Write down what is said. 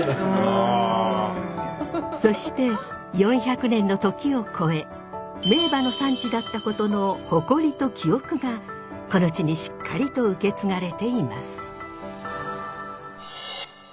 そして４００年の時を超え名馬の産地だったことの誇りと記憶がこの地にしっかりと受け継がれています。